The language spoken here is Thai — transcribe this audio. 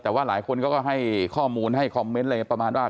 แต่ว่าหลายคนก็ให้ข้อมูลให้คอมเมนต์อะไรประมาณว่า